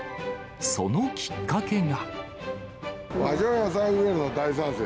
そのきっかけが。